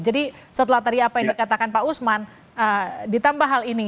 jadi setelah tadi apa yang dikatakan pak usman ditambah hal ini